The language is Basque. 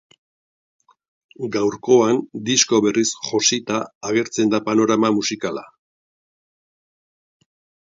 Gaurkoan, disko berriz josita agertzen da panorama musikala.